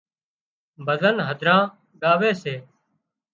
ڀزن هڌران ڳاوي سي